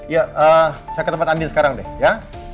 ya saya ke tempat andi sekarang deh ya